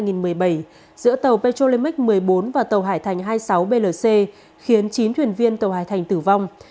giữa tàu petrolimic một mươi bốn và tàu hải thành hai mươi sáu blc khiến chín thuyền viên tàu hải thành tử vong